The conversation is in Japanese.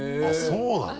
そうなの？